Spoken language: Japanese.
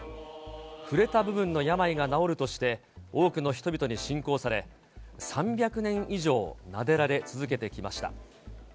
触れた部分の病が治るとして、多くの人々に信仰され、３００年以上なでられ続けてきました。